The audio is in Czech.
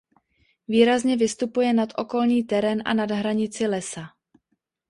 Výrazně vystupuje nad okolní terén a nad hranici lesa.